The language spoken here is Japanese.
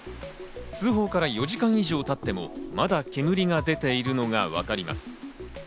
通報から４時間以上経ってもまだ煙が出ているのがわかります。